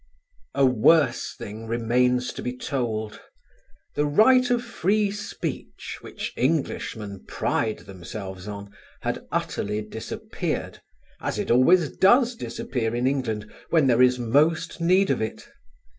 A worse thing remains to be told. The right of free speech which Englishmen pride themselves on had utterly disappeared, as it always does disappear in England when there is most need of it.